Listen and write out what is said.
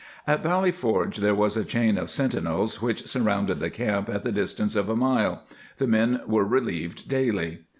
^ At Valley Forge there was a chain of sentinels which surrounded the camp at the distance of a mile; the men were relieved daily.